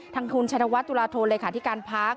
ทางทุนชัยธวัฒน์ตุลาโทรเลยค่ะที่การพัก